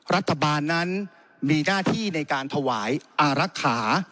รัฐบาลนั้นมีหน้าที่ในการถวายอารักษา